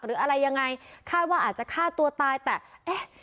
หรืออะไรยังไงคาดว่าอาจจะฆ่าตัวตายแต่เอ๊ะ